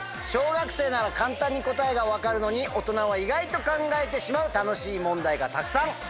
小学生なら簡単に答えが分かるのに大人は意外と考えてしまう楽しい問題がたくさん！